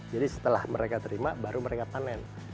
jadi setelah mereka terima baru mereka panen